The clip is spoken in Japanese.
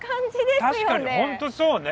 確かに本当そうね。